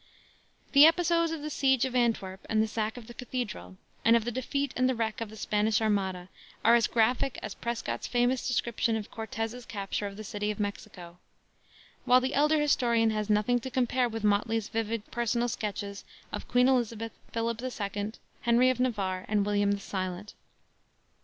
The episodes of the siege of Antwerp and the sack of the cathedral, and of the defeat and wreck of the Spanish Armada, are as graphic as Prescott's famous description of Cortez's capture of the city of Mexico; while the elder historian has nothing to compare with Motley's vivid personal sketches of Queen Elizabeth, Philip the Second, Henry of Navarre, and William the Silent.